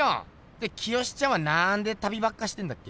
で清ちゃんは何で旅ばっかしてんだっけ？